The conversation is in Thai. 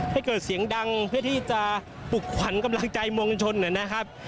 ให้เกิดเสียงดังเพื่อที่จะปลุกขวัญกำลังใจมวลชนนะครับ